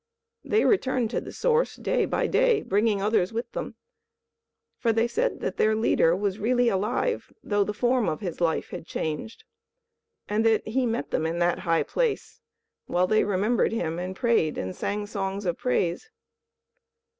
They returned to the Source day by day, bringing others with them; for they said that their leader was really alive, though the form of his life had changed, and that he met them in that high place while they remembered him and prayed and sang songs of praise.